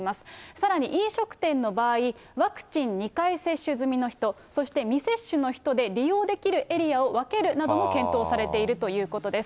さらに飲食店の場合、ワクチン２回接種済みの人、そして未接種の人で利用できるエリアを分けるなども検討されているということです。